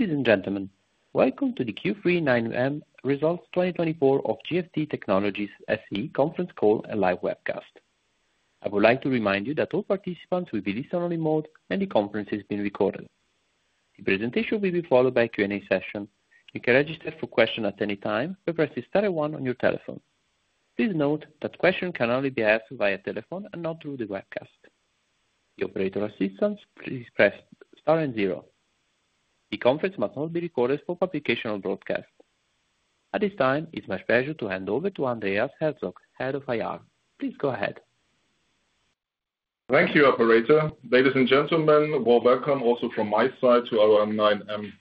Ladies and gentlemen, welcome to the Q3 9M Results 2024 of GFT Technologies SE Conference Call and Live Webcast. I would like to remind you that all participants will be in listen-only mode, and the conference is being recorded. The presentation will be followed by a Q&A session. You can register for questions at any time by pressing Star 1 on your telephone. Please note that questions can only be asked via telephone and not through the webcast. For operator assistance, please press Star 0. The conference must not be recorded for publication or broadcast. At this time, it's my pleasure to hand over to Andreas Herzog, Head of IR. Please go ahead. Thank you, Operator. Ladies and gentlemen, warm welcome also from my side to our 9M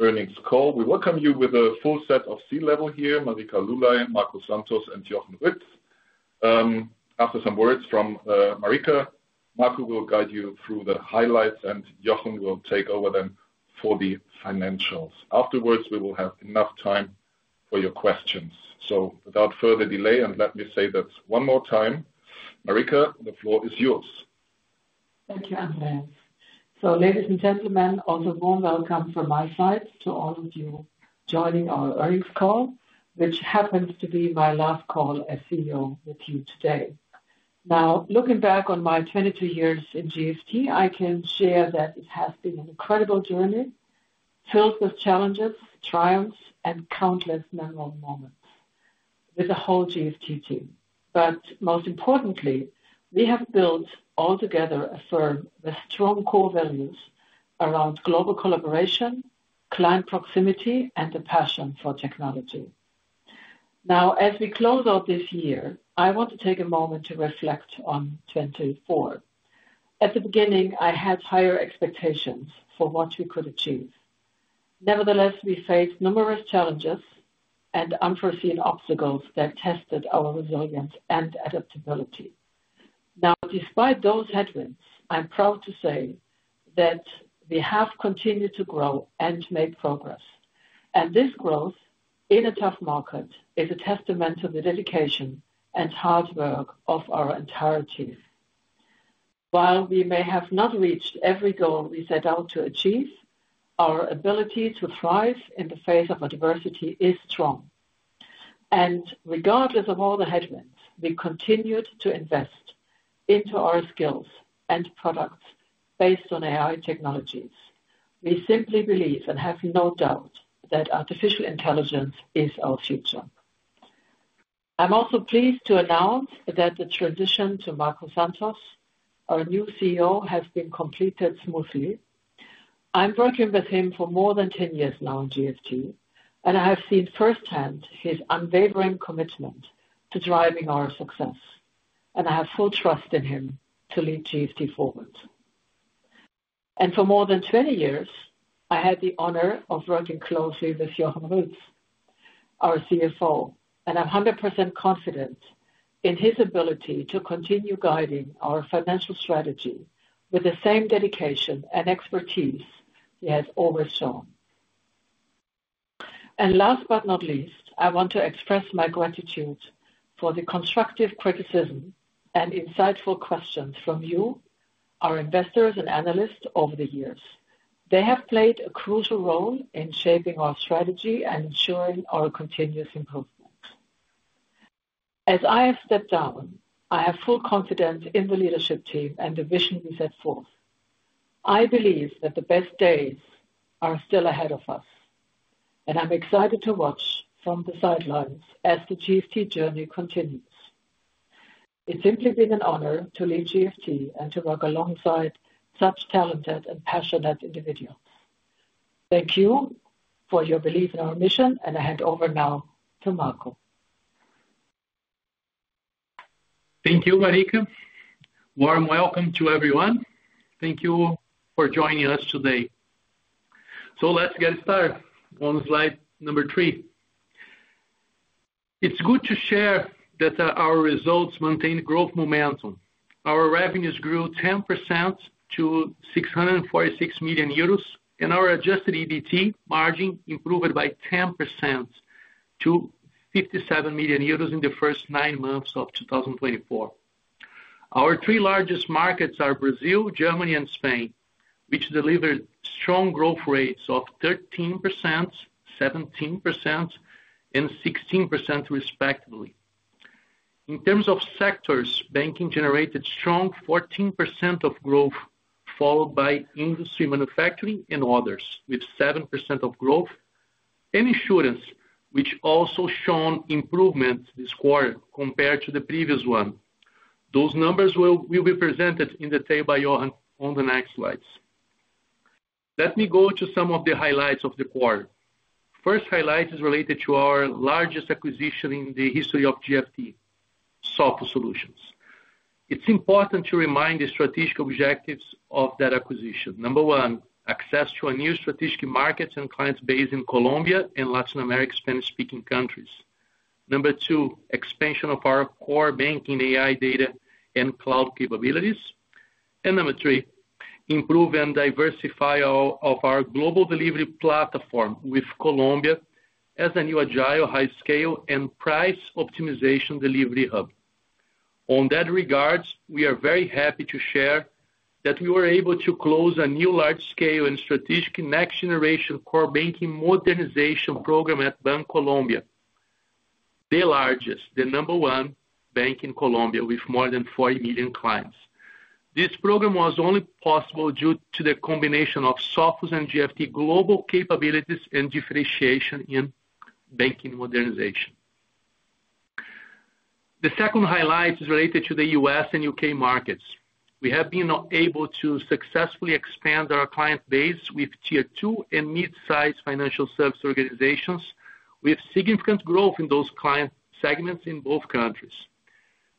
earnings call. We welcome you with a full set of C-level here: Marika Lulay, Marco Santos, and Jochen Ruetz. After some words from Marika, Marco will guide you through the highlights, and Jochen will take over then for the financials. Afterwards, we will have enough time for your questions. So, without further delay, let me say that one more time, Marika, the floor is yours. Thank you, Andreas. Ladies and gentlemen, also warm welcome from my side to all of you joining our earnings call, which happens to be my last call as CEO with you today. Now, looking back on my 22 years in GFT, I can share that it has been an incredible journey filled with challenges, triumphs, and countless memorable moments with the whole GFT team. Most importantly, we have built altogether a firm with strong core values around global collaboration, client proximity, and the passion for technology. Now, as we close out this year, I want to take a moment to reflect on 2024. At the beginning, I had higher expectations for what we could achieve. Nevertheless, we faced numerous challenges and unforeseen obstacles that tested our resilience and adaptability. Now, despite those headwinds, I'm proud to say that we have continued to grow and make progress. And this growth in a tough market is a testament to the dedication and hard work of our entire team. While we may have not reached every goal we set out to achieve, our ability to thrive in the face of adversity is strong. And regardless of all the headwinds, we continued to invest into our skills and products based on AI technologies. We simply believe and have no doubt that artificial intelligence is our future. I'm also pleased to announce that the transition to Marco Santos, our new CEO, has been completed smoothly. I'm working with him for more than 10 years now in GFT, and I have seen firsthand his unwavering commitment to driving our success. And I have full trust in him to lead GFT forward. And for more than 20 years, I had the honor of working closely with Jochen Ruetz, our CFO, and I'm 100% confident in his ability to continue guiding our financial strategy with the same dedication and expertise he has always shown. And last but not least, I want to express my gratitude for the constructive criticism and insightful questions from you, our investors and analysts over the years. They have played a crucial role in shaping our strategy and ensuring our continuous improvement. As I have stepped down, I have full confidence in the leadership team and the vision we set forth. I believe that the best days are still ahead of us, and I'm excited to watch from the sidelines as the GFT journey continues. It's simply been an honor to lead GFT and to work alongside such talented and passionate individuals. Thank you for your belief in our mission, and I hand over now to Marco. Thank you, Marika. Warm welcome to everyone. Thank you for joining us today. So let's get started. On slide number three, it's good to share that our results maintained growth momentum. Our revenues grew 10% to 646 million euros, and our adjusted EBIT margin improved by 10% to 57 million euros in the first nine months of 2024. Our three largest markets are Brazil, Germany, and Spain, which delivered strong growth rates of 13%, 17%, and 16% respectively. In terms of sectors, banking generated strong 14% of growth, followed by industry manufacturing and others with 7% of growth, and insurance, which also shown improvement this quarter compared to the previous one. Those numbers will be presented in detail by Jochen on the next slides. Let me go to some of the highlights of the quarter. First highlight is related to our largest acquisition in the history of GFT, Sophos Solutions. It's important to remind the strategic objectives of that acquisition. Number one, access to a new strategic market and client base in Colombia and Latin American Spanish-speaking countries. Number two, expansion of our core banking AI data and cloud capabilities. Number three, improve and diversify our global delivery platform with Colombia as a new agile, high-scale, and price-optimization delivery hub. In that regard, we are very happy to share that we were able to close a new large-scale and strategic next-generation core banking modernization program at Bancolombia, the largest, the number one bank in Colombia with more than 40 million clients. This program was only possible due to the combination of Sophos Solutions' and GFT global capabilities and differentiation in banking modernization. The second highlight is related to the US and UK markets. We have been able to successfully expand our client base with tier two and mid-size financial service organizations with significant growth in those client segments in both countries.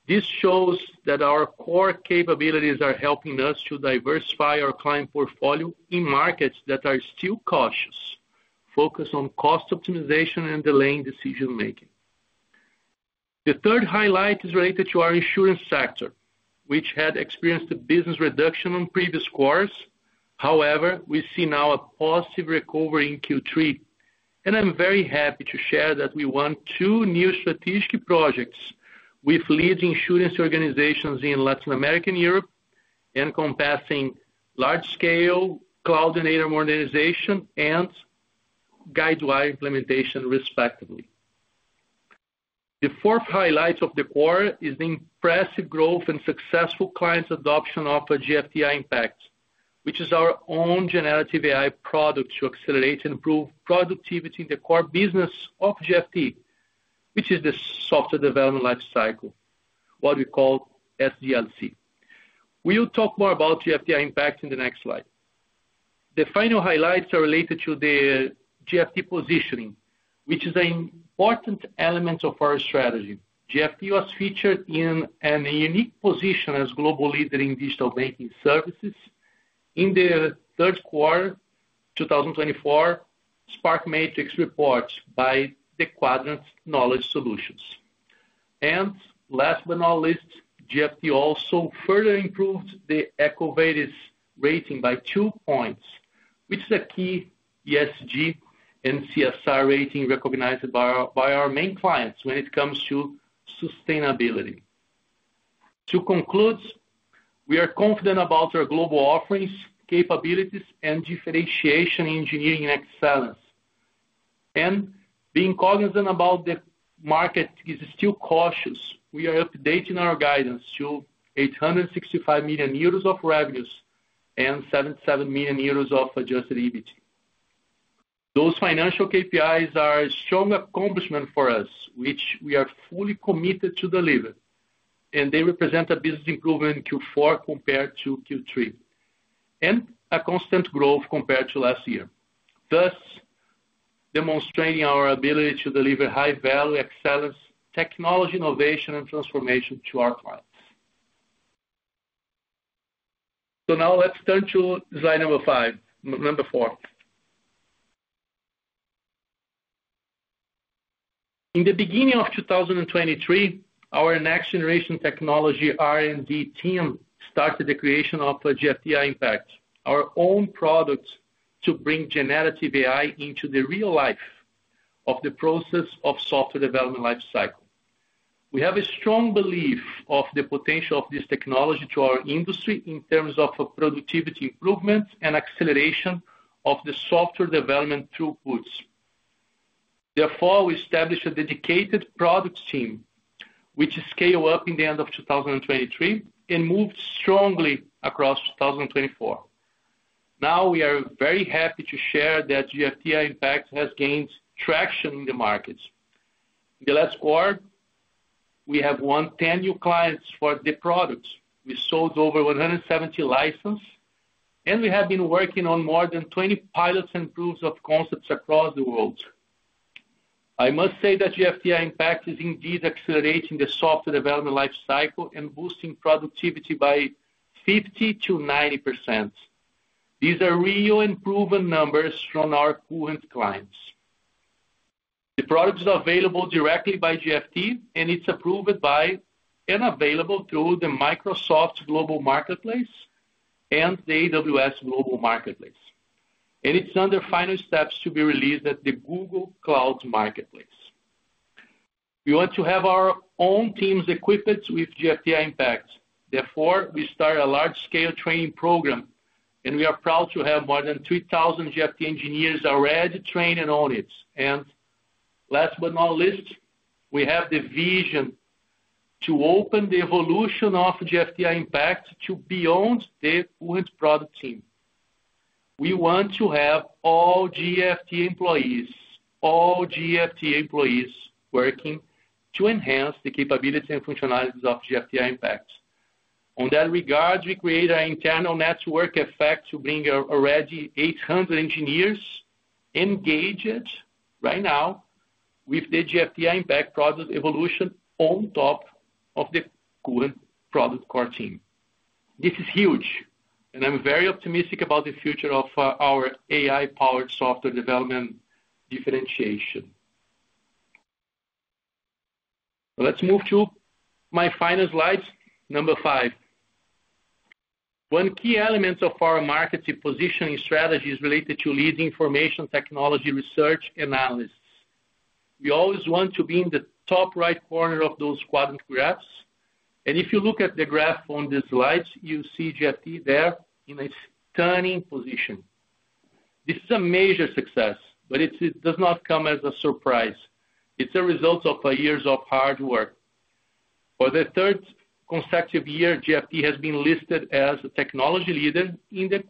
This shows that our core capabilities are helping us to diversify our client portfolio in markets that are still cautious, focused on cost optimization and delaying decision-making. The third highlight is related to our insurance sector, which had experienced a business reduction on previous quarters. However, we see now a positive recovery in Q3, and I'm very happy to share that we won two new strategic projects with leading insurance organizations in Latin America and Europe encompassing large-scale cloud and data modernization and guideline implementation respectively. The fourth highlight of the quarter is the impressive growth and successful client adoption of GFT AI Impact, which is our own generative AI product to accelerate and improve productivity in the core business of GFT, which is the software development lifecycle, what we call SDLC. We'll talk more about GFT AI Impact in the next slide. The final highlights are related to the GFT positioning, which is an important element of our strategy. GFT was featured in a unique position as global leader in digital banking services in the third quarter 2024 SPARK Matrix report by the Quadrant Knowledge Solutions. And last but not least, GFT also further improved the EcoVadis rating by two points, which is a key ESG and CSR rating recognized by our main clients when it comes to sustainability. To conclude, we are confident about our global offerings, capabilities, and differentiation in engineering excellence. Being cognizant about the market is still cautious, we are updating our guidance to 865 million euros of revenues and 77 million euros of adjusted EBT. Those financial KPIs are a strong accomplishment for us, which we are fully committed to delivering, and they represent a business improvement in Q4 compared to Q3 and a constant growth compared to last year, thus demonstrating our ability to deliver high-value excellence, technology innovation, and transformation to our clients. Now let's turn to slide number four. In the beginning of 2023, our next-generation technology R&D team started the creation of GFT AI Impact, our own product to bring generative AI into the real life of the process of software development lifecycle. We have a strong belief in the potential of this technology to our industry in terms of productivity improvement and acceleration of the software development throughputs. Therefore, we established a dedicated product team, which scaled up in the end of 2023 and moved strongly across 2024. Now we are very happy to share that GFT AI Impact has gained traction in the markets. In the last quarter, we have won 10 new clients for the product. We sold over 170 licenses, and we have been working on more than 20 pilots and proofs of concept across the world. I must say that GFT AI Impact is indeed accelerating the software development lifecycle and boosting productivity by 50%-90%. These are real and proven numbers from our current clients. The product is available directly by GFT, and it's approved by and available through the Microsoft Global Marketplace and the AWS Global Marketplace. It's under final steps to be released at the Google Cloud Marketplace. We want to have our own teams equipped with GFT AI Impact. Therefore, we started a large-scale training program, and we are proud to have more than 3,000 GFT engineers already trained and on it, and last but not least, we have the vision to open the evolution of GFT AI Impact to beyond the current product team. We want to have all GFT employees, all GFT employees working to enhance the capabilities and functionalities of GFT AI Impact. In that regard, we created an internal network effect to bring already 800 engineers engaged right now with the GFT AI Impact product evolution on top of the current product core team. This is huge, and I'm very optimistic about the future of our AI-powered software development differentiation. Let's move to my final slide, number five. One key element of our market positioning strategy is related to leading information technology research analysts. We always want to be in the top right corner of those quadrant graphs. And if you look at the graph on the slides, you see GFT there in a stunning position. This is a major success, but it does not come as a surprise. It's a result of years of hard work. For the third consecutive year, GFT has been listed as a technology leader in the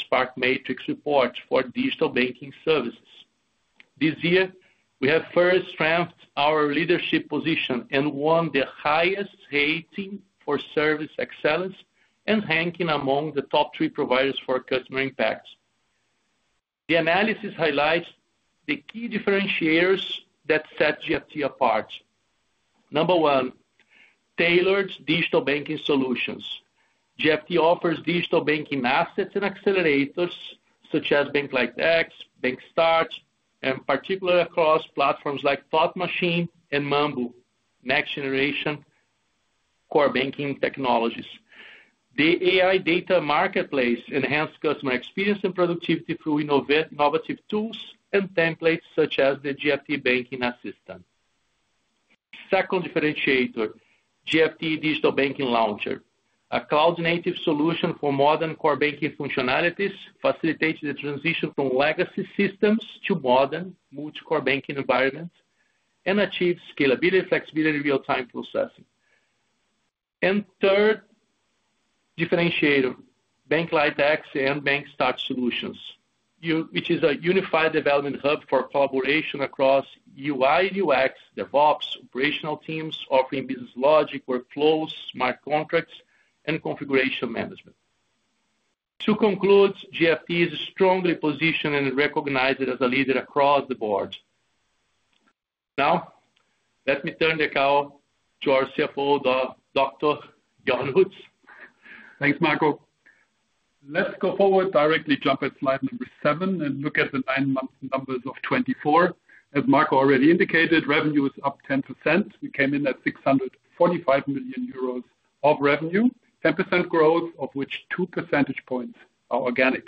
SPARK Matrix report for digital banking services. This year, we have further strengthened our leadership position and won the highest rating for service excellence and ranking among the top three providers for customer impact. The analysis highlights the key differentiators that set GFT apart. Number one, tailored digital banking solutions. GFT offers digital banking assets and accelerators such as BankLiteX, BankStart, and particularly across platforms like Thought Machine and Mambu, next-generation core banking technologies. The AI data marketplace enhances customer experience and productivity through innovative tools and templates such as the GFT Banking Assistant. Second differentiator, GFT Digital Banking Launcher, a cloud-native solution for modern core banking functionalities facilitates the transition from legacy systems to modern multi-core banking environments and achieves scalability, flexibility, and real-time processing. And third differentiator, BankLiteX and BankStart solutions, which is a unified development hub for collaboration across UI, UX, DevOps, operational teams offering business logic, workflows, smart contracts, and configuration management. To conclude, GFT is strongly positioned and recognized as a leader across the board. Now, let me turn the call to our CFO, Dr. Jochen Ruetz. Thanks, Marco. Let's go forward directly, jump at slide number seven, and look at the nine-month numbers of 2024. As Marco already indicated, revenue is up 10%. We came in at 645 million euros of revenue, 10% growth, of which two percentage points are organic.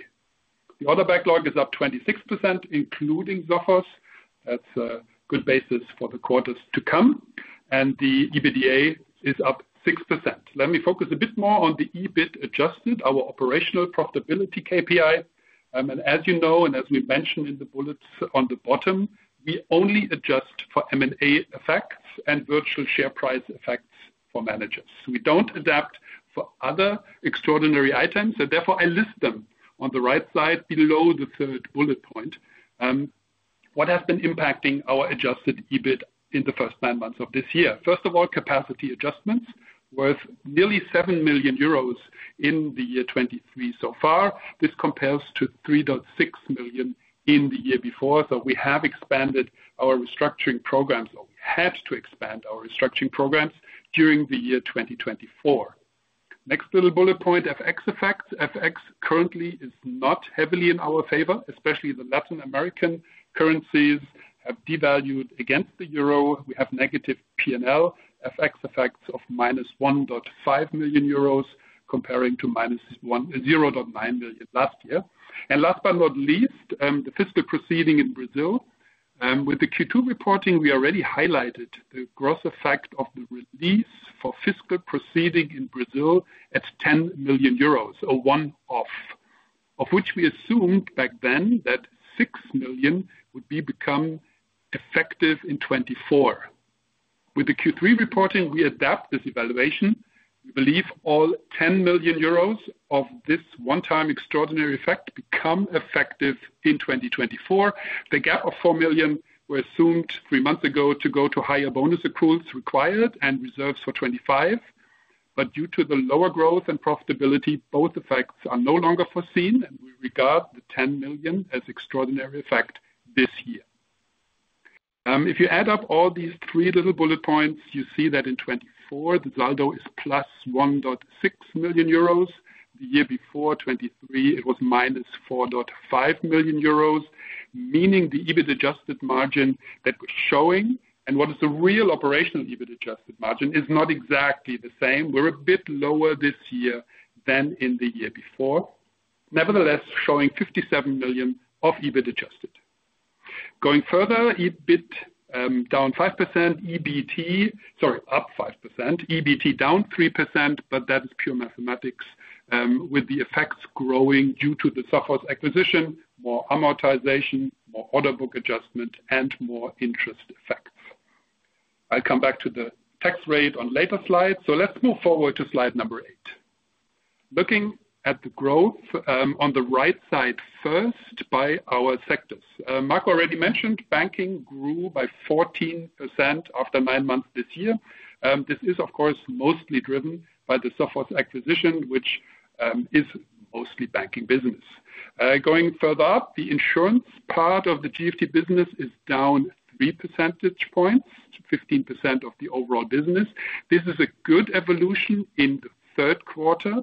The order backlog is up 26%, including Sophos. That's a good basis for the quarters to come. And the EBITDA is up 6%. Let me focus a bit more on the EBIT adjusted, our operational profitability KPI. And as you know, and as we mentioned in the bullets on the bottom, we only adjust for M&A effects and variable share price effects for managers. We don't adjust for other extraordinary items, and therefore I list them on the right side below the third bullet point. What has been impacting our adjusted EBIT in the first nine months of this year? First of all, capacity adjustments worth nearly 7 million euros in the year 2023 so far. This compares to 3.6 million in the year before. So we have expanded our restructuring programs, or we had to expand our restructuring programs during the year 2024. Next little bullet point, FX effects. FX currently is not heavily in our favor, especially the Latin American currencies have devalued against the Euro. We have negative P&L, FX effects of 1.5 million euros comparing to 1.9 million last year. And last but not least, the fiscal proceeding in Brazil. With the Q2 reporting, we already highlighted the gross effect of the release for fiscal proceeding in Brazil at 10 million euros, so one off, of which we assumed back then that 6 million would become effective in 2024. With the Q3 reporting, we adapt this evaluation. We believe all 10 million euros of this one-time extraordinary effect becomes effective in 2024. The gap of 4 million was assumed three months ago to go to higher bonus accruals required and reserves for 2025, but due to the lower growth and profitability, both effects are no longer foreseen, and we regard the 10 million as extraordinary effect this year. If you add up all these three little bullet points, you see that in 2024, the saldo is plus 1.6 million euros. The year before, 2023, it was minus 4.5 million euros, meaning the EBIT adjusted margin that we're showing and what is the real operational EBIT adjusted margin is not exactly the same. We're a bit lower this year than in the year before, nevertheless showing 57 million of EBIT adjusted. Going further, EBIT down 5%, EBT, sorry, up 5%, EBT down 3%, but that is pure mathematics with the effects growing due to the Sophos acquisition, more amortization, more order book adjustment, and more interest effects. I'll come back to the tax rate on later slides. So let's move forward to slide number eight. Looking at the growth on the right side first by our sectors. Marco already mentioned banking grew by 14% after nine months this year. This is, of course, mostly driven by the Sophos acquisition, which is mostly banking business. Going further up, the insurance part of the GFT business is down 3 percentage points, 15% of the overall business. This is a good evolution in the third quarter.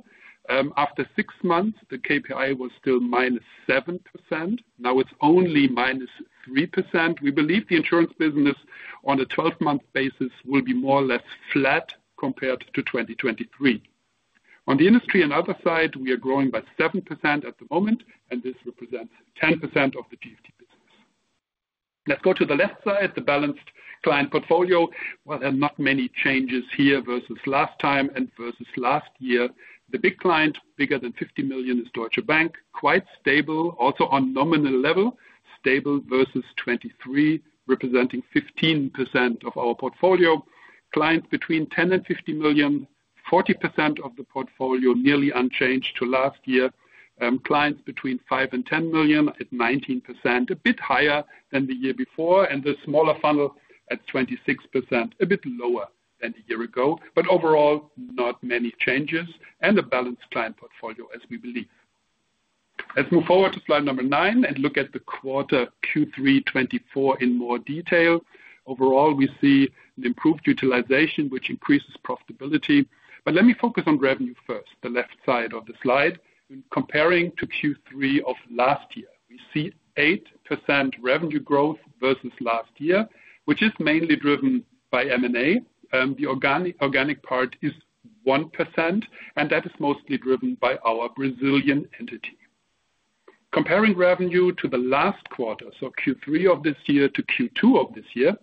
After six months, the KPI was still minus 7%. Now it's only minus 3%. We believe the insurance business on a 12-month basis will be more or less flat compared to 2023. On the industry and other side, we are growing by 7% at the moment, and this represents 10% of the GFT business. Let's go to the left side, the balanced client portfolio. There are not many changes here versus last time and versus last year. The big client bigger than 50 million is Deutsche Bank, quite stable, also on nominal level, stable versus 2023, representing 15% of our portfolio. Clients between 10 million and 50 million, 40% of the portfolio, nearly unchanged to last year. Clients between 5 million and 10 million at 19%, a bit higher than the year before. The smaller funnel at 26%, a bit lower than the year ago. Overall, not many changes and a balanced client portfolio, as we believe. Let's move forward to slide number nine and look at the quarter Q3 2024 in more detail. Overall, we see an improved utilization, which increases profitability. But let me focus on revenue first, the left side of the slide. Comparing to Q3 of last year, we see 8% revenue growth versus last year, which is mainly driven by M&A. The organic part is 1%, and that is mostly driven by our Brazilian entity. Comparing revenue to the last quarter, so Q3 of this year to Q2 of this year,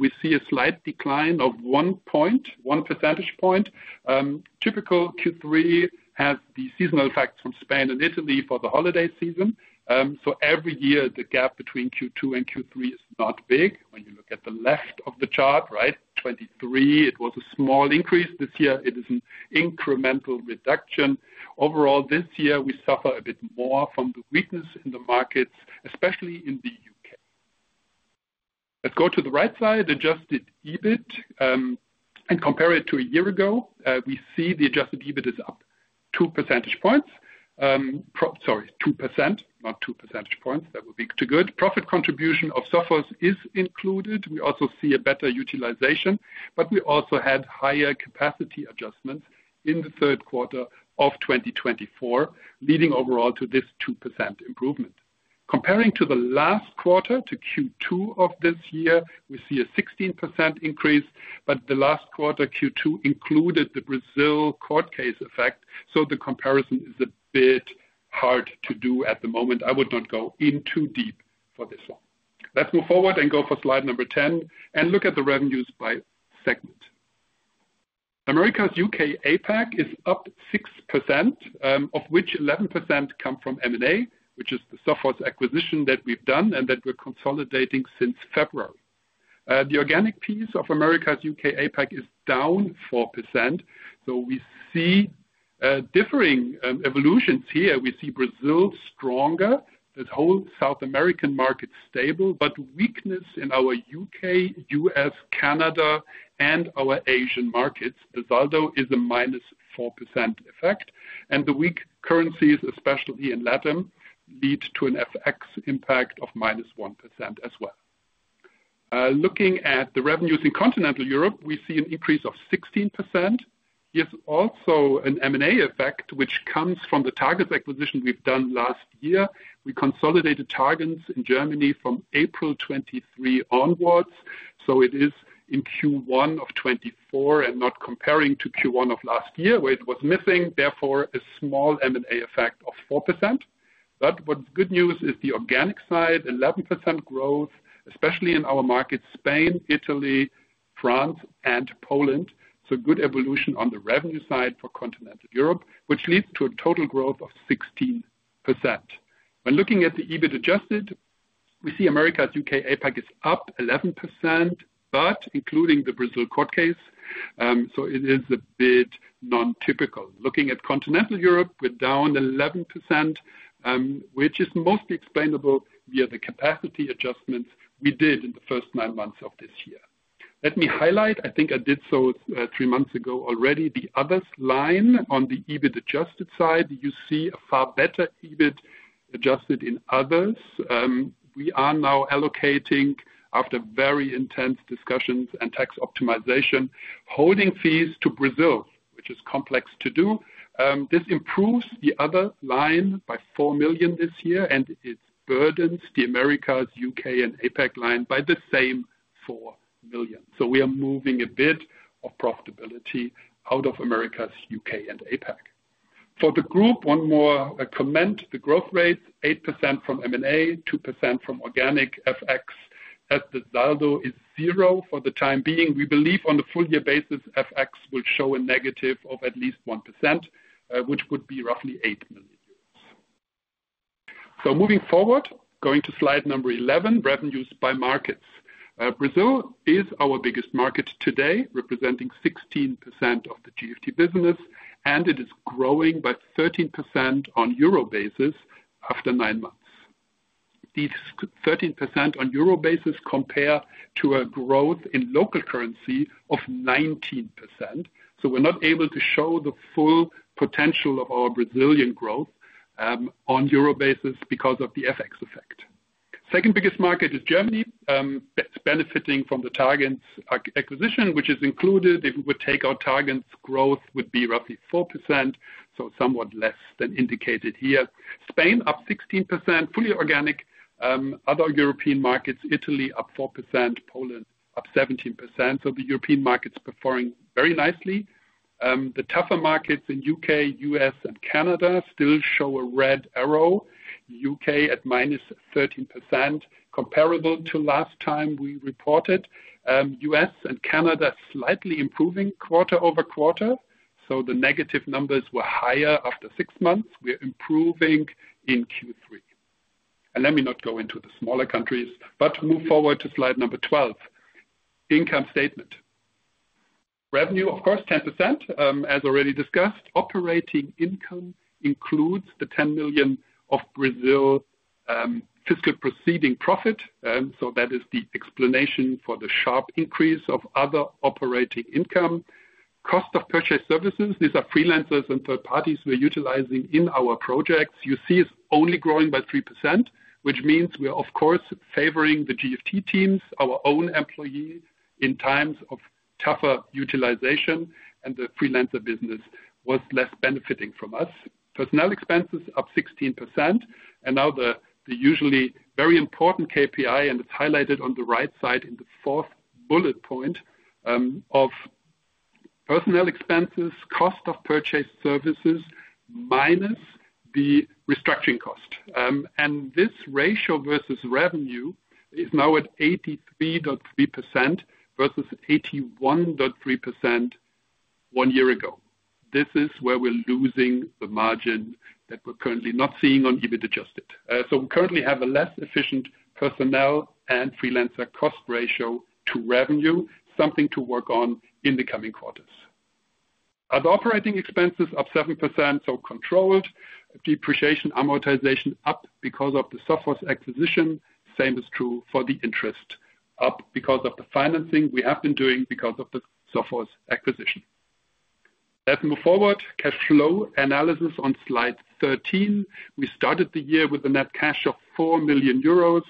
we see a slight decline of one percentage point. Typical Q3 has the seasonal effects from Spain and Italy for the holiday season. So every year, the gap between Q2 and Q3 is not big. When you look at the left of the chart, right, 2023, it was a small increase. This year, it is an incremental reduction. Overall, this year, we suffer a bit more from the weakness in the markets, especially in the U.K. Let's go to the right side, adjusted EBIT, and compare it to a year ago. We see the adjusted EBIT is up 2 percentage points. Sorry, 2%, not 2 percentage points. That would be too good. Profit contribution of Sophos is included. We also see a better utilization, but we also had higher capacity adjustments in the third quarter of 2024, leading overall to this 2% improvement. Comparing to the last quarter, to Q2 of this year, we see a 16% increase, but the last quarter, Q2, included the Brazil court case effect. So the comparison is a bit hard to do at the moment. I would not go in too deep for this one. Let's move forward and go for slide number 10 and look at the revenues by segment. America's UK APAC is up 6%, of which 11% come from M&A, which is the Sophos acquisition that we've done and that we're consolidating since February. The organic piece of Americas UK APAC is down 4%. So we see differing evolutions here. We see Brazil stronger, the whole South American market stable, but weakness in our UK, US, Canada, and our Asian markets. The saldo is a minus 4% effect. And the weak currencies, especially in Latin, lead to an FX impact of minus 1% as well. Looking at the revenues in continental Europe, we see an increase of 16%. There's also an M&A effect, which comes from the targens acquisition we've done last year. We consolidated targens in Germany from April '23 onwards. So it is in Q1 of '24 and not comparing to Q1 of last year, where it was missing. Therefore, a small M&A effect of 4%. But what's good news is the organic side, 11% growth, especially in our markets, Spain, Italy, France, and Poland. So good evolution on the revenue side for continental Europe, which leads to a total growth of 16%. When looking at the EBIT adjusted, we see Americas, UK, APAC is up 11%, but including the Brazil court case, so it is a bit non-typical. Looking at continental Europe, we're down 11%, which is mostly explainable via the capacity adjustments we did in the first nine months of this year. Let me highlight, I think I did so three months ago already, the others line on the EBIT adjusted side. You see a far better EBIT adjusted in others. We are now allocating, after very intense discussions and tax optimization, holding fees to Brazil, which is complex to do. This improves the other line by 4 million this year, and it burdens the Americas, UK, and APAC line by the same 4 million. So we are moving a bit of profitability out of Americas, UK, and APAC. For the group, one more comment, the growth rate, 8% from M&A, 2% from organic FX, as the saldo is zero for the time being. We believe on the full-year basis, FX will show a negative of at least 1%, which would be roughly 8 million euros. So moving forward, going to slide number 11, revenues by markets. Brazil is our biggest market today, representing 16% of the GFT business, and it is growing by 13% on euro basis after nine months. These 13% on euro basis compare to a growth in local currency of 19%. We're not able to show the full potential of our Brazilian growth on Euro basis because of the FX effect. Second biggest market is Germany, benefiting from the targens acquisition, which is included. If we would take our targens growth, it would be roughly 4%, so somewhat less than indicated here. Spain, up 16%, fully organic. Other European markets, Italy, up 4%, Poland, up 17%. So the European markets are performing very nicely. The tougher markets in U.K., U.S., and Canada still show a red arrow. U.K. at minus 13%, comparable to last time we reported. U.S. and Canada slightly improving quarter over quarter. So the negative numbers were higher after six months. We are improving in Q3. And let me not go into the smaller countries, but move forward to slide number 12. Income statement. Revenue, of course, 10%, as already discussed. Operating income includes the 10 million of Brazil fiscal proceeding profit. So that is the explanation for the sharp increase of other operating income. Cost of purchase services, these are freelancers and third parties we're utilizing in our projects. You see it's only growing by 3%, which means we are, of course, favoring the GFT teams, our own employees in times of tougher utilization, and the freelancer business was less benefiting from us. Personnel expenses up 16%. Now the usually very important KPI, and it's highlighted on the right side in the fourth bullet point of personnel expenses, cost of purchase services minus the restructuring cost. This ratio versus revenue is now at 83.3% versus 81.3% one year ago. This is where we're losing the margin that we're currently not seeing on EBIT adjusted. We currently have a less efficient personnel and freelancer cost ratio to revenue, something to work on in the coming quarters. Other operating expenses up 7%, so controlled. Depreciation amortization up because of the Sophos acquisition. Same is true for the interest, up because of the financing we have been doing because of the Sophos acquisition. Let's move forward. Cash flow analysis on slide 13. We started the year with a net cash of 4 million euros.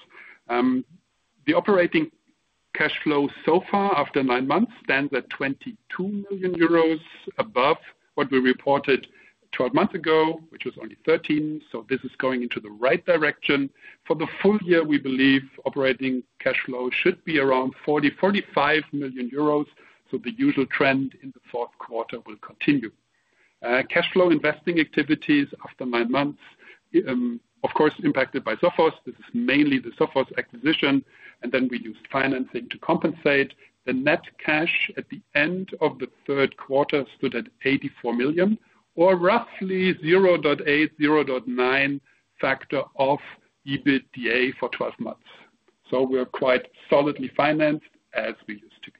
The operating cash flow so far after nine months stands at 22 million euros above what we reported 12 months ago, which was only 13. So this is going into the right direction. For the full year, we believe operating cash flow should be around 40 million-45 million euros. So the usual trend in the fourth quarter will continue. Cash flow investing activities after nine months, of course, impacted by Sophos. This is mainly the Sophos acquisition. Then we used financing to compensate. The net cash at the end of the third quarter stood at 84 million, or roughly 0.8-0.9 factor of EBITDA for 12 months. We're quite solidly financed as we used to be.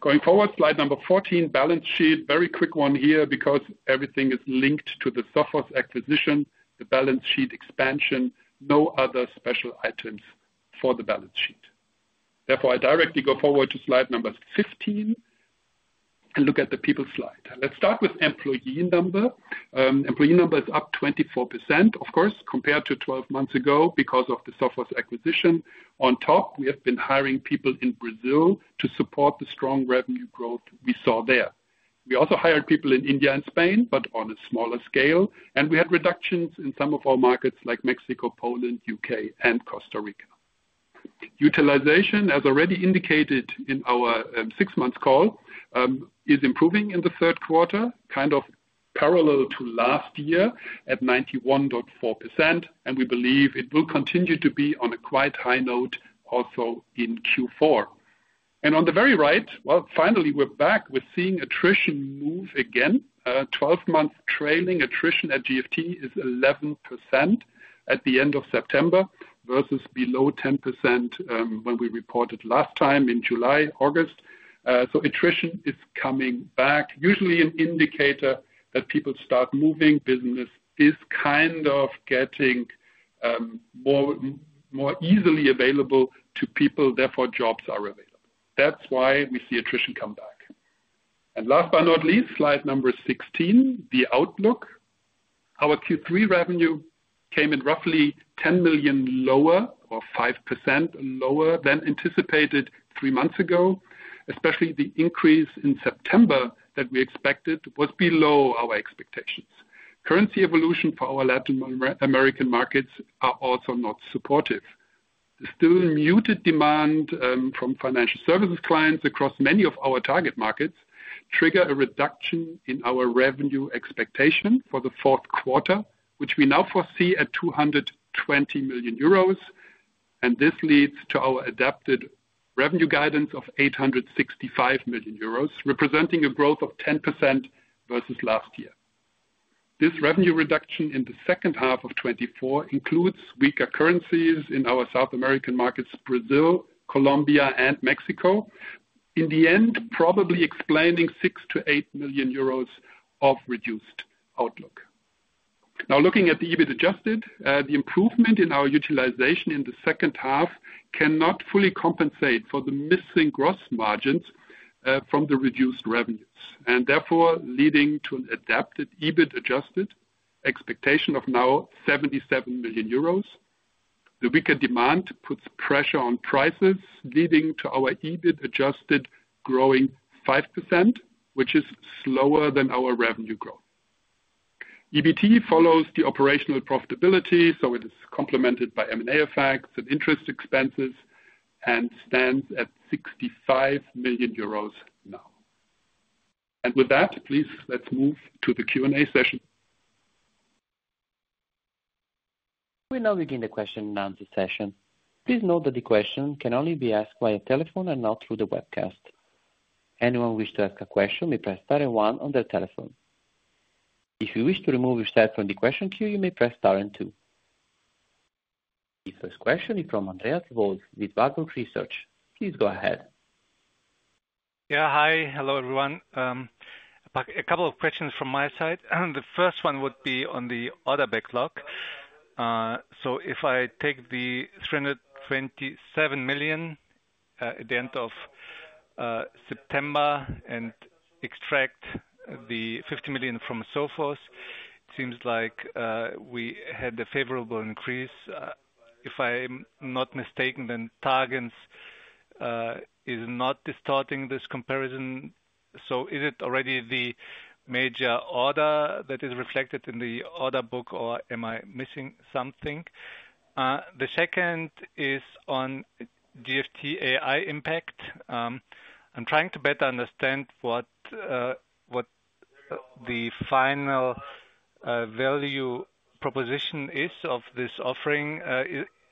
Going forward, slide number 14, balance sheet. Very quick one here because everything is linked to the Sophos acquisition, the balance sheet expansion. No other special items for the balance sheet. Therefore, I directly go forward to slide number 15 and look at the people slide. Let's start with employee number. Employee number is up 24%, of course, compared to 12 months ago because of the Sophos acquisition. On top, we have been hiring people in Brazil to support the strong revenue growth we saw there. We also hired people in India and Spain, but on a smaller scale. We had reductions in some of our markets like Mexico, Poland, U.K., and Costa Rica. Utilization, as already indicated in our six-month call, is improving in the third quarter, kind of parallel to last year at 91.4%. We believe it will continue to be on a quite high note also in Q4. On the very right, well, finally, we're back. We're seeing attrition move again. 12-month trailing attrition at GFT is 11% at the end of September versus below 10% when we reported last time in July, August. Attrition is coming back. Usually, an indicator that people start moving business is kind of getting more easily available to people. Therefore, jobs are available. That's why we see attrition come back. Last but not least, slide number 16, the outlook. Our Q3 revenue came in roughly 10 million lower, or 5% lower than anticipated three months ago. Especially the increase in September that we expected was below our expectations. Currency evolution for our Latin American markets is also not supportive. The still muted demand from financial services clients across many of our target markets triggers a reduction in our revenue expectation for the fourth quarter, which we now foresee at 220 million euros. And this leads to our adapted revenue guidance of 865 million euros, representing a growth of 10% versus last year. This revenue reduction in the second half of 2024 includes weaker currencies in our South American markets, Brazil, Colombia, and Mexico, in the end, probably explaining 6 milion-EUR 8 million of reduced outlook. Now, looking at the EBIT adjusted, the improvement in our utilization in the second half cannot fully compensate for the missing gross margins from the reduced revenues, and therefore leading to an adjusted EBIT adjusted expectation of now 77 million euros. The weaker demand puts pressure on prices, leading to our EBIT adjusted growing 5%, which is slower than our revenue growth. EBT follows the operational profitability, so it is complemented by M&A effects and interest expenses and stands at 65 million euros now. With that, please, let's move to the Q&A session. We now begin the question and answer session. Please note that the question can only be asked via telephone and not through the webcast. Anyone wishing to ask a question may press star and one on their telephone. If you wish to remove yourself from the question queue, you may press star and two. The first question is from Andreas Wolf with Warburg Research. Please go ahead. Yeah, hi, hello everyone. A couple of questions from my side. The first one would be on the order backlog. So if I take the 327 million at the end of September and extract the 50 million from Sophos, it seems like we had a favorable increase. If I'm not mistaken, then targens is not distorting this comparison. So is it already the major order that is reflected in the order book, or am I missing something? The second is on GFT AI Impact. I'm trying to better understand what the final value proposition is of this offering.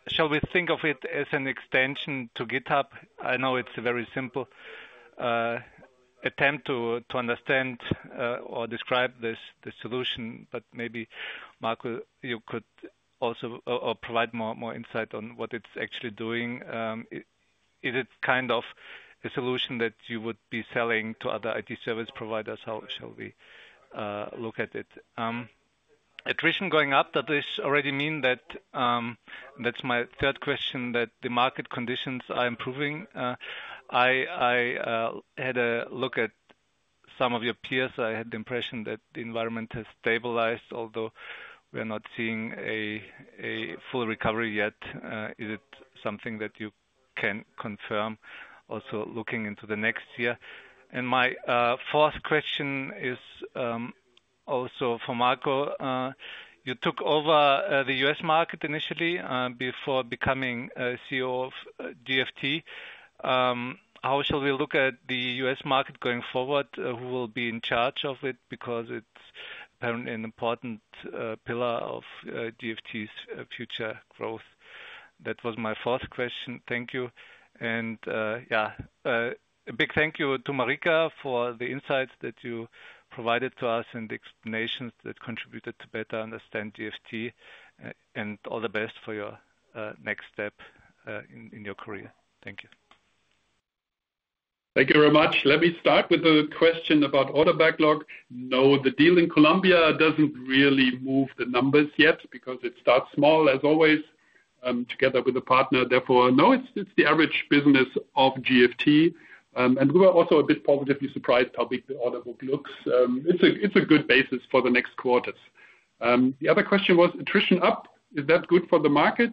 Shall we think of it as an extension to GitHub? I know it's a very simple attempt to understand or describe the solution, but maybe Marco, you could also provide more insight on what it's actually doing. Is it kind of a solution that you would be selling to other IT service providers? How shall we look at it? Attrition going up, does this already mean that that's my third question, that the market conditions are improving? I had a look at some of your peers. I had the impression that the environment has stabilized, although we are not seeing a full recovery yet. Is it something that you can confirm, also looking into the next year? And my fourth question is also for Marco. You took over the U.S. market initially before becoming CEO of GFT. How shall we look at the U.S. market going forward? Who will be in charge of it? Because it's apparently an important pillar of GFT's future growth. That was my fourth question. Thank you. Yeah, a big thank you to Marika for the insights that you provided to us and the explanations that contributed to better understand GFT. All the best for your next step in your career. Thank you. Thank you very much. Let me start with the question about order backlog. No, the deal in Colombia doesn't really move the numbers yet because it starts small, as always, together with a partner. Therefore, no, it's the average business of GFT. We were also a bit positively surprised how big the order book looks. It's a good basis for the next quarters. The other question was, attrition up. Is that good for the market?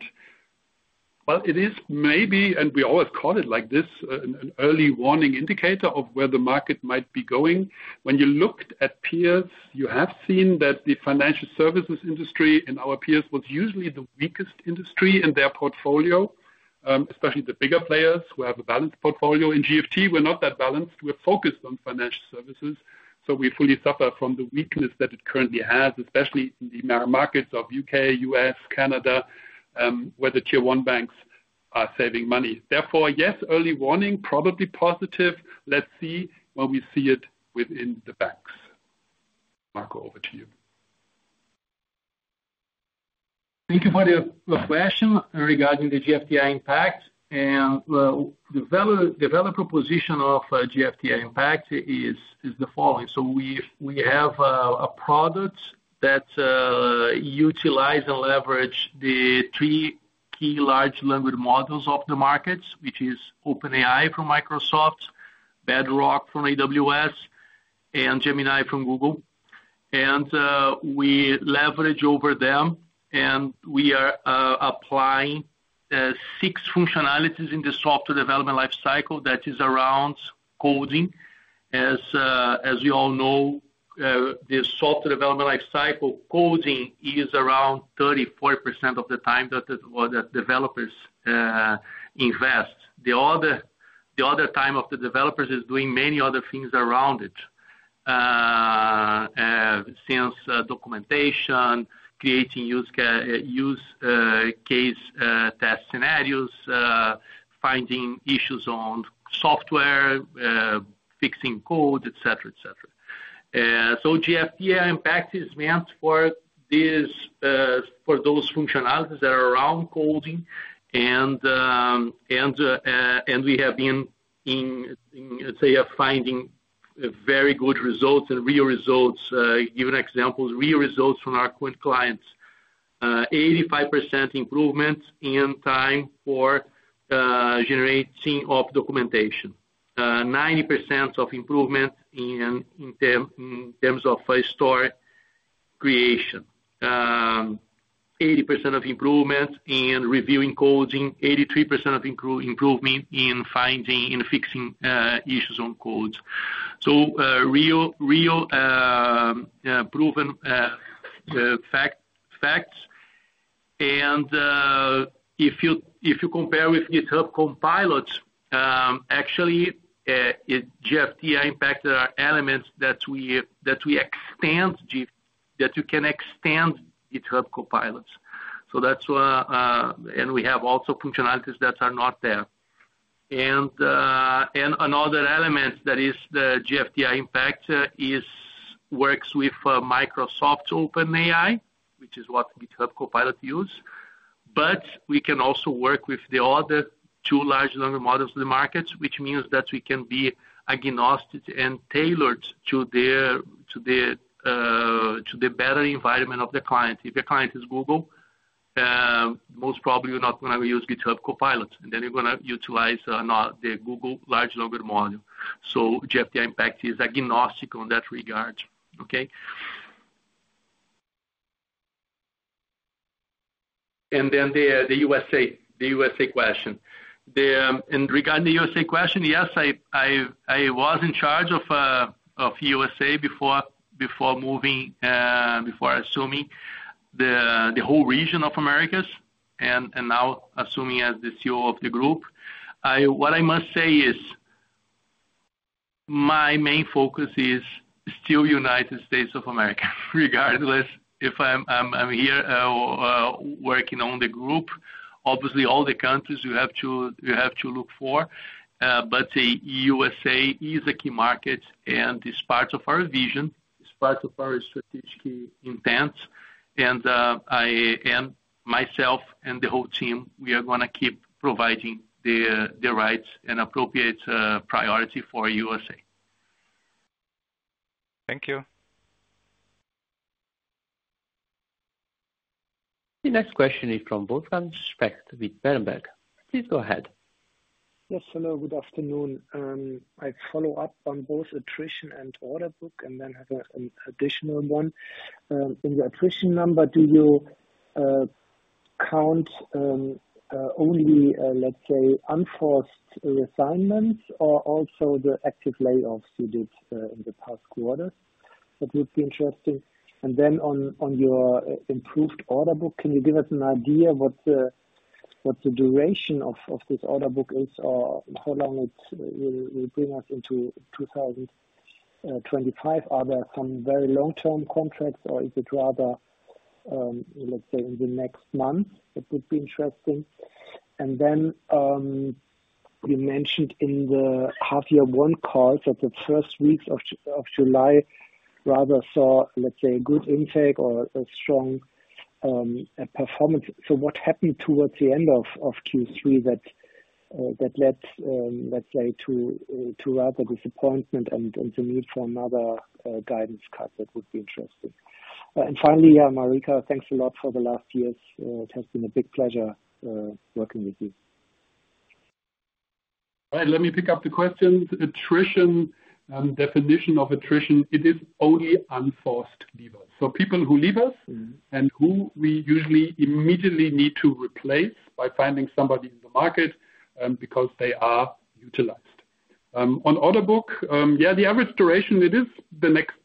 Well, it is maybe, and we always call it like this, an early warning indicator of where the market might be going. When you looked at peers, you have seen that the financial services industry in our peers was usually the weakest industry in their portfolio, especially the bigger players who have a balanced portfolio. In GFT, we're not that balanced. We're focused on financial services. So we fully suffer from the weakness that it currently has, especially in the markets of U.K., U.S., Canada, where the tier one banks are saving money. Therefore, yes, early warning, probably positive. Let's see when we see it within the banks. Marco, over to you. Thank you for the question regarding the GFT AI Impact. And the value proposition of GFT AI Impact is the following. So we have a product that utilizes and leverages the three key large language models of the markets, which are OpenAI from Microsoft, Bedrock from AWS, and Gemini from Google. And we leverage over them. And we are applying six functionalities in the software development lifecycle that is around coding. As we all know, the software development lifecycle coding is around 34% of the time that developers invest. The other time of the developers is doing many other things around it, such as documentation, creating use case test scenarios, finding issues on software, fixing code, etc., etc. So GFT AI Impact is meant for those functionalities that are around coding. And we have been, let's say, finding very good results and real results. I'll give you an example, real results from our current clients: 85% improvement in time for generating documentation, 90% of improvement in terms of story creation, 80% of improvement in reviewing coding, 83% of improvement in finding and fixing issues on codes. So real proven facts. And if you compare with GitHub Copilot, actually, GFT AI Impact adds elements that we extend, that you can extend GitHub Copilot. So that's why we have also functionalities that are not there. And another element that is the GFT AI Impact works with Microsoft OpenAI, which is what GitHub Copilot uses. But we can also work with the other two large language models in the markets, which means that we can be agnostic and tailored to the better environment of the client. If your client is Google, most probably you're not going to use GitHub Copilot. And then you're going to utilize the Google large language model. So GFT AI Impact is agnostic on that regard. Okay? And then the U.S. question. And regarding the U.S. question, yes, I was in charge of U.S. before moving, before assuming the whole region of Americas, and now assuming as the CEO of the group. What I must say is my main focus is still United States of America, regardless if I'm here working on the group. Obviously, all the countries you have to look for. But the USA is a key market, and it's part of our vision, it's part of our strategic intent. And myself and the whole team, we are going to keep providing the rights and appropriate priority for USA. Thank you. The next question is from Wolfgang Specht, with Berenberg. Please go ahead. Yes, hello, good afternoon. I follow up on both attrition and order book, and then have an additional one. In the attrition number, do you count only, let's say, unforced assignments or also the active layoffs you did in the past quarter? That would be interesting. And then on your improved order book, can you give us an idea of what the duration of this order book is, or how long it will bring us into 2025? Are there some very long-term contracts, or is it rather, let's say, in the next months? That would be interesting. And then you mentioned in the half-year one call that the first weeks of July rather saw, let's say, a good intake or a strong performance. So what happened towards the end of Q3 that led, let's say, to rather disappointment and the need for another guidance cut? That would be interesting. And finally, yeah, Marika, thanks a lot for the last years. It has been a big pleasure working with you. All right, let me pick up the questions. Attrition, definition of attrition, it is only unforced leavers. So people who leave us and who we usually immediately need to replace by finding somebody in the market because they are utilized. On order book, yeah, the average duration, it is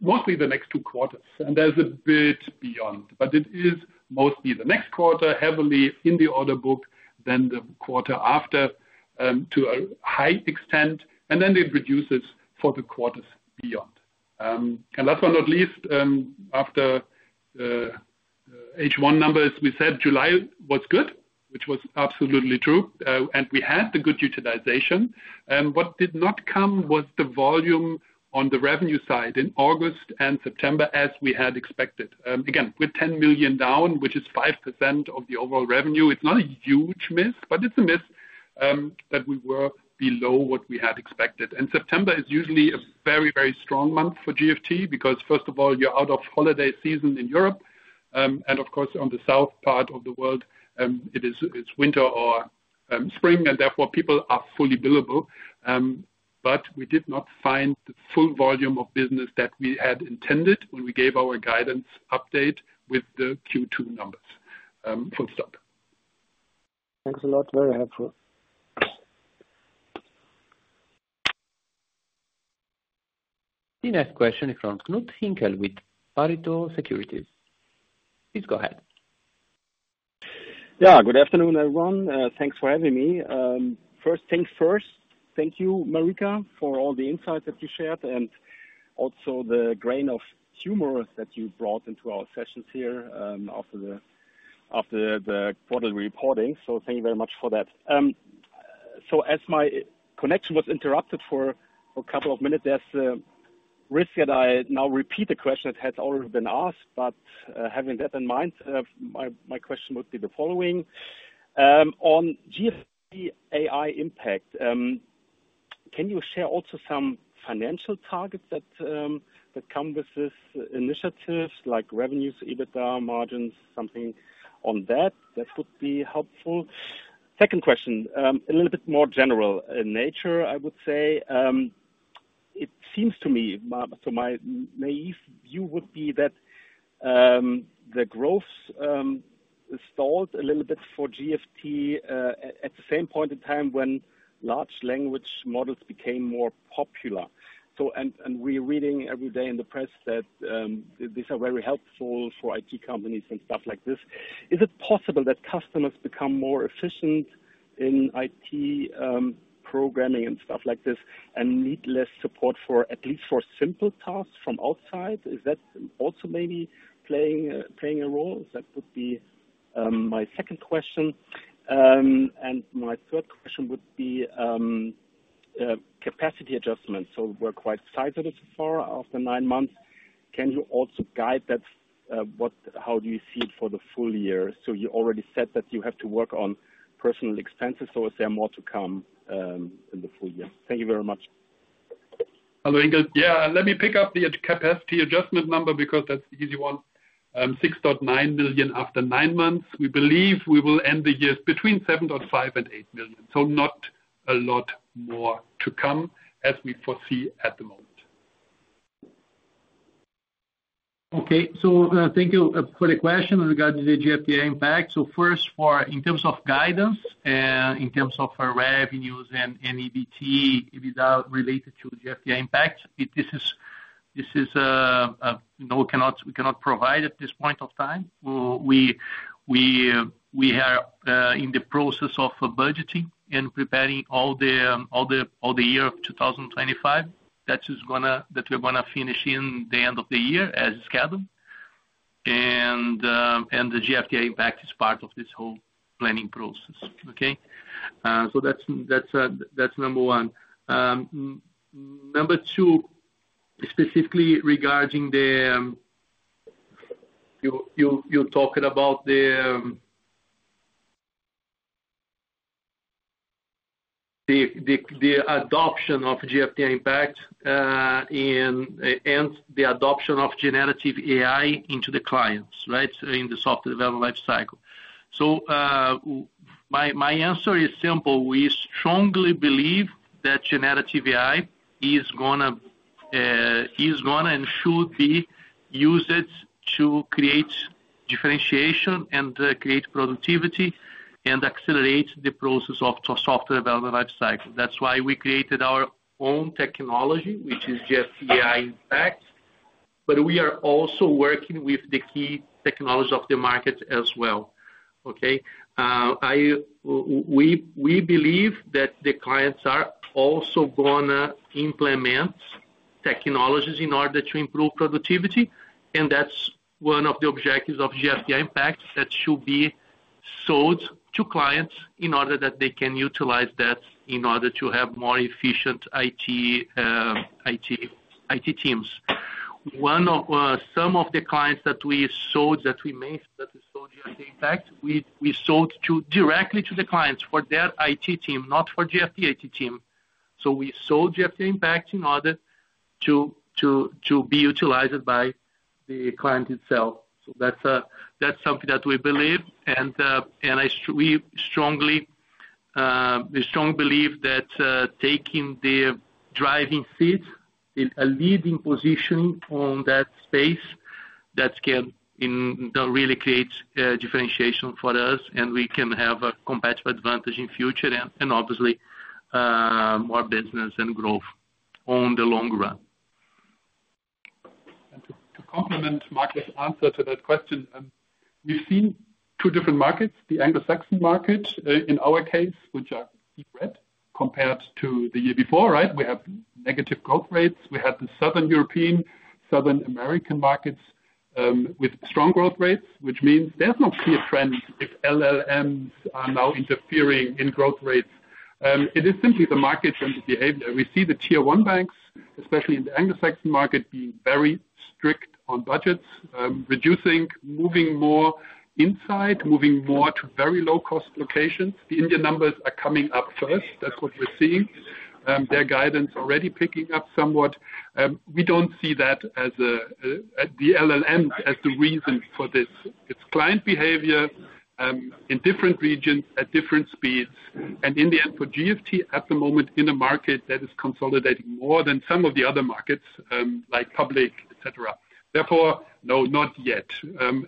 mostly the next two quarters. And there's a bit beyond. But it is mostly the next quarter, heavily in the order book, then the quarter after to a high extent. And then it reduces for the quarters beyond. And last but not least, after H1 numbers, we said July was good, which was absolutely true. And we had the good utilization. What did not come was the volume on the revenue side in August and September, as we had expected. Again, we're 10 million down, which is 5% of the overall revenue. It's not a huge miss, but it's a miss that we were below what we had expected. September is usually a very, very strong month for GFT because, first of all, you're out of holiday season in Europe. And of course, on the south part of the world, it is winter or spring, and therefore people are fully billable. But we did not find the full volume of business that we had intended when we gave our guidance update with the Q2 numbers. Full stop. Thanks a lot. Very helpful. The next question is from Knud Hinkel with Pareto Securities. Please go ahead. Yeah, good afternoon, everyone. Thanks for having me. First things first, thank you, Marika, for all the insights that you shared and also the grain of humor that you brought into our sessions here after the quarterly reporting. So thank you very much for that. So as my connection was interrupted for a couple of minutes, there's a risk that I now repeat the question that has already been asked, but having that in mind, my question would be the following. On GFT AI Impact, can you share also some financial targets that come with this initiative, like revenues, EBITDA, margins, something on that? That would be helpful. Second question, a little bit more general in nature, I would say. It seems to me, so my naive view would be that the growth stalled a little bit for GFT at the same point in time when large language models became more popular, and we're reading every day in the press that these are very helpful for IT companies and stuff like this. Is it possible that customers become more efficient in IT programming and stuff like this and need less support for at least simple tasks from outside? Is that also maybe playing a role? That would be my second question, and my third question would be capacity adjustment. So we're quite excited so far after nine months. Can you also guide that? How do you see it for the full year? So you already said that you have to work on personnel expenses. So is there more to come in the full year? Thank you very much. Hello, Hinkel. Yeah, let me pick up the capacity adjustment number because that's the easy one. 6.9 million after nine months. We believe we will end the year between 7.5 million and 8 million. So not a lot more to come as we foresee at the moment. Okay. So, thank you for the question regarding the GFT AI Impact. So first, in terms of guidance, in terms of revenues and EBITDA related to GFT AI Impact, this is we cannot provide at this point of time. We are in the process of budgeting and preparing all the year of 2025 that we're going to finish in the end of the year as scheduled. And the GFT AI Impact is part of this whole planning process. Okay? So that's number one. Number two, specifically regarding the you're talking about the adoption of GFT AI Impact and the adoption of generative AI into the clients, right, in the software development lifecycle. So my answer is simple. We strongly believe that generative AI is going to and should be used to create differentiation and create productivity and accelerate the process of software development lifecycle. That's why we created our own technology, which is GFT AI Impact, but we are also working with the key technologies of the market as well. Okay? We believe that the clients are also going to implement technologies in order to improve productivity, and that's one of the objectives of GFT AI Impact that should be sold to clients in order that they can utilize that in order to have more efficient IT teams. Some of the clients that we sold GFT AI Impact, we sold directly to the clients for their IT team, not for GFT team. So we sold GFT AI Impact in order to be utilized by the client itself, so that's something that we believe. And we strongly believe that taking the driving seat, a leading position on that space, that can really create differentiation for us, and we can have a competitive advantage in the future and obviously more business and growth on the long run. To complement Marika's answer to that question, we've seen two different markets, the Anglo-Saxon market in our case, which are deep red compared to the year before, right? We have negative growth rates. We had the Southern European, Southern American markets with strong growth rates, which means there's no clear trend if LLMs are now interfering in growth rates. It is simply the markets and the behavior. We see the tier one banks, especially in the Anglo-Saxon market, being very strict on budgets, reducing, moving more inside, moving more to very low-cost locations. The Indian numbers are coming up first. That's what we're seeing. Their guidance is already picking up somewhat. We don't see that as the LLMs as the reason for this. It's client behavior in different regions at different speeds, and in the end, for GFT at the moment in a market that is consolidating more than some of the other markets, like public, etc. Therefore, no, not yet.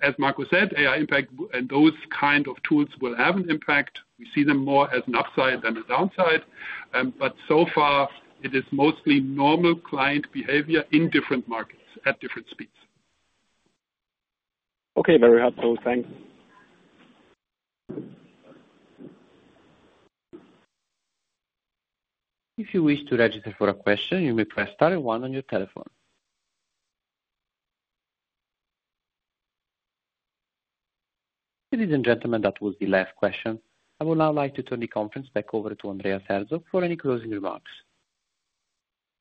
As Marco said, AI Impact and those kind of tools will have an impact. We see them more as an upside than a downside, but so far, it is mostly normal client behavior in different markets at different speeds. Okay, very helpful. Thanks. If you wish to register for a question, you may press star and one on your telephone. Ladies and gentlemen, that was the last question. I would now like to turn the conference back over to Andreas Herzog for any closing remarks.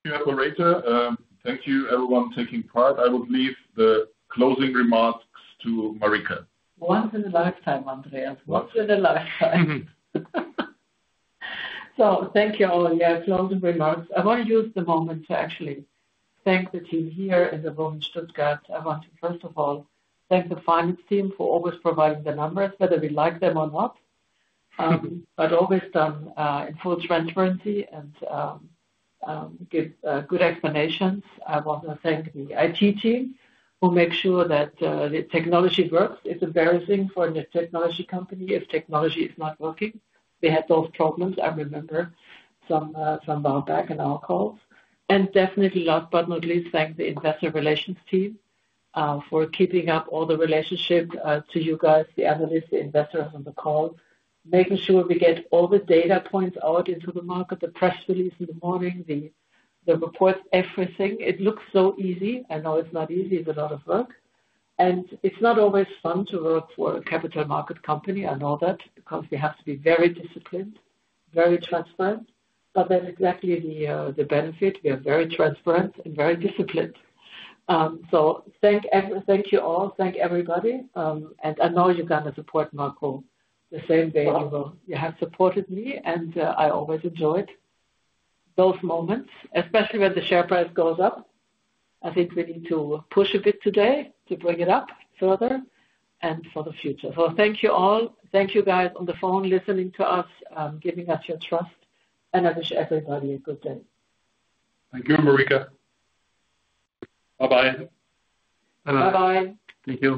Yeah, well, operator thank you, everyone, for taking part. I would leave the closing remarks to Marika. Once in a lifetime, Andreas. Once in a lifetime. So thank you all. Yeah, closing remarks. I want to use the moment to actually thank the team here in Stuttgart. I want to, first of all, thank the finance team for always providing the numbers, whether we like them or not, but always done in full transparency and give good explanations. I want to thank the IT team who make sure that the technology works. It's embarrassing for a technology company if technology is not working. We had those problems. I remember a while back in our calls. And definitely, last but not least, thank the investor relations team for keeping up all the relationship to you guys, the analysts, the investors on the call, making sure we get all the data points out into the market, the press release in the morning, the reports, everything. It looks so easy. I know it's not easy. It's a lot of work. And it's not always fun to work for a capital market company. I know that because we have to be very disciplined, very transparent. But that's exactly the benefit. We are very transparent and very disciplined. So thank you all. Thank everybody. And I know you're going to support Marco the same way you have supported me. And I always enjoyed those moments, especially when the share price goes up. I think we need to push a bit today to bring it up further and for the future. So thank you all. Thank you, guys, on the phone, listening to us, giving us your trust. And I wish everybody a good day. Thank you, Marika. Bye-bye. Bye-bye. Thank you.